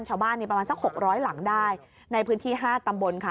ชาวบ้านนี้ประมาณสัก๖๐๐หลังได้ในพื้นที่๕ตำบลค่ะ